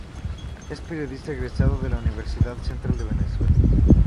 Es periodista egresado de la Universidad Central de Venezuela.